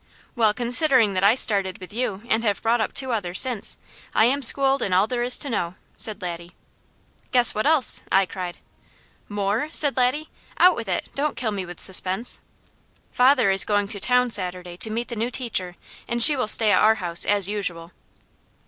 "Well, considering that I started with you, and have brought up two others since, I am schooled in all there is to know," said Laddie. "Guess what else!" I cried. "More?" said Laddie. "Out with it! Don't kill me with suspense." "Father is going to town Saturday to meet the new teacher and she will stay at our house as usual."